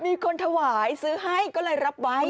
มีคนถวายซื้อให้ก็เลยรับไว้